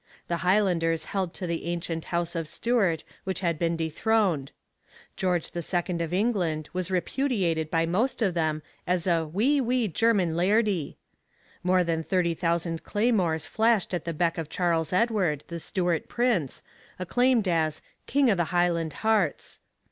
The Highlanders held to the ancient house of Stuart which had been dethroned. George II of England was repudiated by most of them as a 'wee, wee German Lairdie.' More than thirty thousand claymores flashed at the beck of Charles Edward, the Stuart prince, acclaimed as 'King o' the Highland hearts.'